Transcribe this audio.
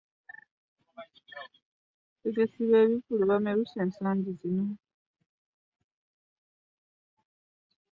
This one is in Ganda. abategesi b'ebivvulu bameruse ensangi zino